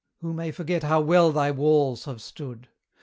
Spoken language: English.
Who may forget how well thy walls have stood?